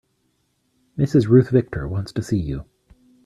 Mrs. Ruth Victor wants to see you.